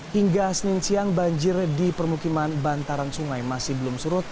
hingga senin siang banjir di permukiman bantaran sungai masih belum surut